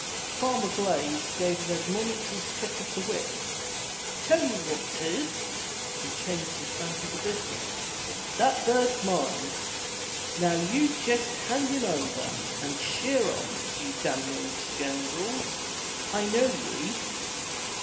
Farmer Blaize gave an admonitory flick of the whip. "Tell ye what 'tis!" He changed his banter to business. " That bird's mine ! Now you jest hand him over, and sheer off, you damn young scoundrels ! I knowye